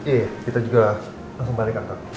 iya kita juga langsung balik kantor